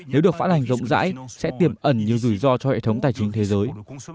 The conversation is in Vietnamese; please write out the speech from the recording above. nếu được phản hành rộng rãi sẽ tiềm ẩn như rủi ro cho hệ thống tài chính thế giới